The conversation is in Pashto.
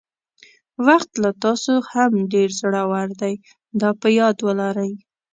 وخت له تاسو هم ډېر زړور دی دا په یاد ولرئ.